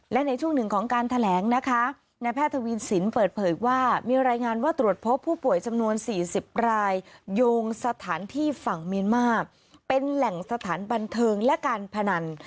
และในช่วงหนึ่งของการแถลงนะคะในแพทย์ทวีสินเปิดเผยว่ามีรายงานว่าตรวจพบผู้ป่วยจำนวน๔๐รายโยงสถานที่ฝั่งเมียนมาเป็นแหล่งสถานบันเทิงและการพนัน